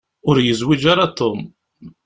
Ur yezwiǧ ara Tom.